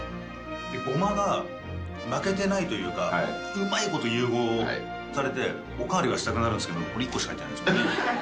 ごまが負けてないというかうまいこと融合されてお代わりがしたくなるんですけどこれ１個しか入ってない。